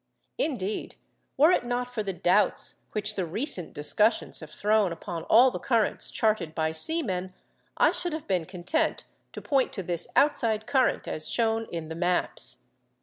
Indeed, were it not for the doubts which the recent discussions have thrown upon all the currents charted by seamen, I should have been content to point to this outside current as shown in the maps.